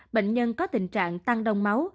bệnh nhân có tình trạng tăng đông máu